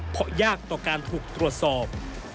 เพราะยากต่อการถูกตรวจสอบ